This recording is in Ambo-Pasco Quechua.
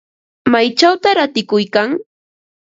¿Maychawta ratikuykan?